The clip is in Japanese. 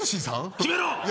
決めろ！